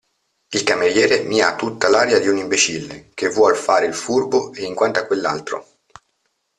Il cameriere mi ha tutta l'aria di un imbecille, che vuol fare il furbo, e in quanto a quell'altro.